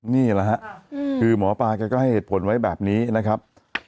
นี่แหละฮะคือหมอปลาแกก็ให้เหตุผลไว้แบบนี้นะครับ